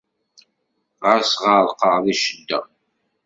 Ɣas ɣerqeɣ di ccedda.